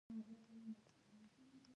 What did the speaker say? انګریزي پوځونو عملیات پیل کړي وو.